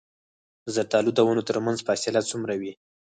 د زردالو د ونو ترمنځ فاصله څومره وي؟